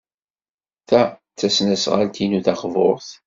Ta d tasnasɣalt-inu taqburt.